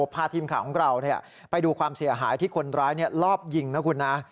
พาทีมข่าวของเราไปดูความเสียหายที่คนร้ายลอบยิงนะคุณนะ